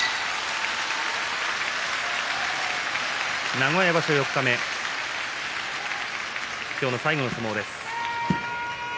名古屋場所四日目今日の最後の相撲です。